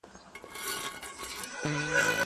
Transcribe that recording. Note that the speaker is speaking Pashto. زه هره ورځ د کتابتوننۍ سره خبري کوم!؟